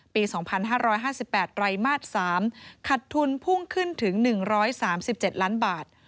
ปี๒๕๕๘ไรมาส๓ขัดทุนพุ่งขึ้นถึง๑๓๗ล้านบาท